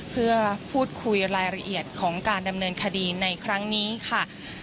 เพื่อพูดคุยรายละเอียดของการดำเนินคดีในครั้งนี้ค่ะ